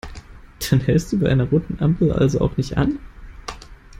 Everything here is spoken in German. Dann hältst du bei einer roten Ampel also auch nicht an?